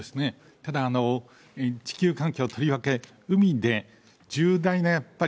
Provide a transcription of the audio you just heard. ただ、地球環境、とりわけ海で、重大なやっぱり、